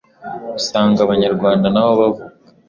usanga abanyarwanda nabo bavuga